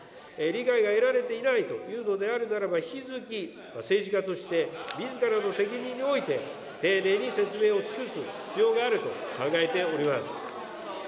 理解が得られていないというのであるならば、引き続き、政治家としてみずからの責任において、丁寧に説明を尽くす必要があると考えております。